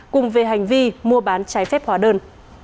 cùng về hành vi mua bán trái phép hóa đơn